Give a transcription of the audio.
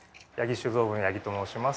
酒造部の八木と申します。